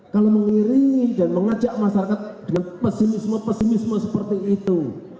kalau mengiringi dan mengajak masyarakat dengan pesimisme pesimisme seperti itu